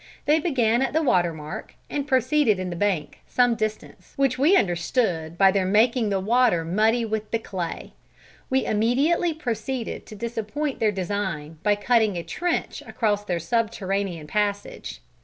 They began at the water mark and proceeded in the bank some distance, which we understood by their making the water muddy with the clay. We immediately proceeded to disappoint their design by cutting a trench across their subterranean passage.